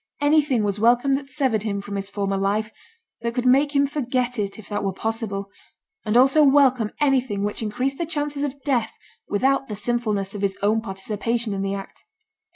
Anything was welcome that severed him from his former life, that could make him forget it, if that were possible; and also welcome anything which increased the chances of death without the sinfulness of his own participation in the act.